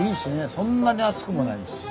そんなに暑くもないし。